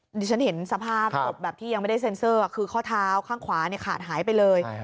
ดิฉันเห็นสภาพศพแบบที่ยังไม่ได้เซ็นเซอร์คือข้อเท้าข้างขวาขาดหายไปเลย